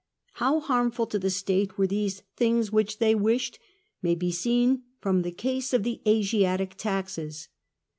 How harmful to the state were these ''things which they wished'' may be seen from the case of the Asiatic taxes.